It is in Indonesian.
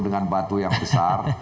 dengan batu yang besar